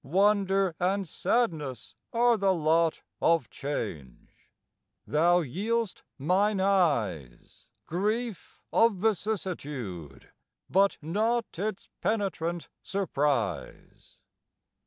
Wonder and sadness are the lot Of change: thou yield'st mine eyes Grief of vicissitude, but not Its penetrant surprise.